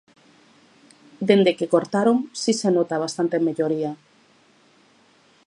Dende que cortaron si se nota bastante melloría.